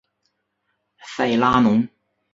塞拉农。